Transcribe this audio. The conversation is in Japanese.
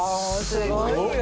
すごいよ。